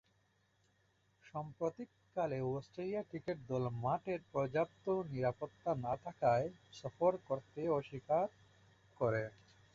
সাম্প্রতিককালে Australia cricket দল মাঠের পর্যাপ্ত নিরাপত্তা না থাকায় সফর করতে অস্বীকার করে।